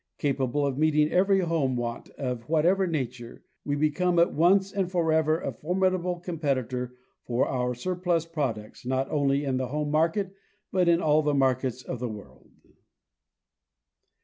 Capable of meeting every home want of whatever nature, we become at once and forever a formidable competitor for our surplus products, not only in the home market, but in all the markets of the world.